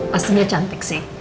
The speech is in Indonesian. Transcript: pastinya cantik sih